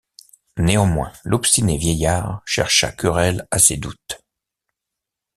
Néanmoins l’obstiné vieillard chercha querelle à ses doutes.